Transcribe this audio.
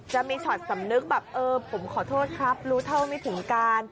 จะมีช็อตสำนึกแบบเออผมขอโทษครับรู้เท่าไม่ถึงการ